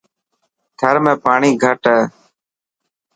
ٿر ۾ پاڻي گھٽ هي.